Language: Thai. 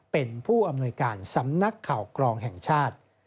เป็นผู้อำนวยการสำนักข่าวกรองแห่งชาติ